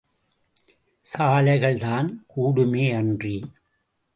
சாலைகள்தான் கூடுமே அன்றி.